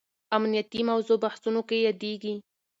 امنیتي موضوع بحثونو کې یادېږي.